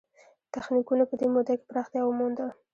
تخنیکونو په دې موده کې پراختیا ومونده.